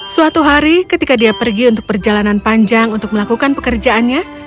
suatu hari ketika dia pergi untuk perjalanan panjang untuk melakukan pekerjaannya